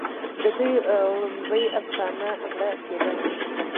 د دوي وړومبۍ افسانه " مړه ګيډه